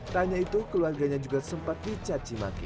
tanya itu keluarganya juga sempat dicacimaki